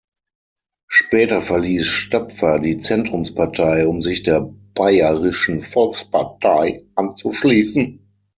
Später verließ Stapfer die Zentrumspartei, um sich der Bayerischen Volkspartei anzuschließen.